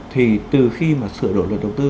thì từ khi mà sửa đổi luật đầu tư